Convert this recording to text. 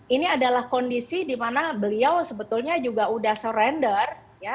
ini adalah kondisi di mana beliau sebetulnya juga sudah serender